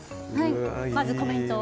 まず、コメントを。